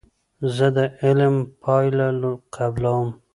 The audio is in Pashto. زه د عمل پایله قبلوم.